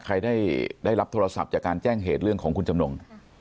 ใครได้รับโทรศัพท์จากการแจ้งเหตุเรื่องของคุณจำนง